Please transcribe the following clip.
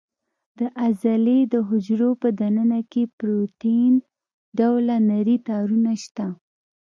د عضلې د حجرو په دننه کې پروتین ډوله نري تارونه شته.